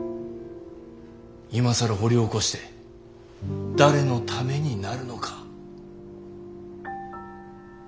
今更掘り起こして誰のためになるのか。